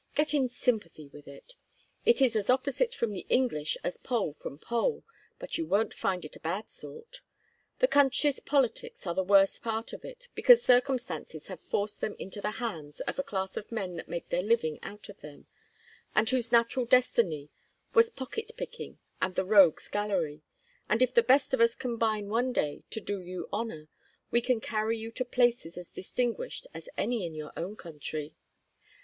Get in sympathy with it. It is as opposite from the English as pole from pole, but you won't find it a bad sort the country's politics are the worst part of it, because circumstances have forced them into the hands of a class of men that make their living out of them, and whose natural destiny was pocket picking and the Rogues' Gallery and if the best of us combine one day to do you honor, we can carry you to places as distinguished as any in your own country.